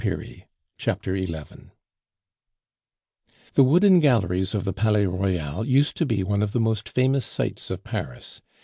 PART II The Wooden Galleries of the Palais Royal used to be one of the most famous sights of Paris.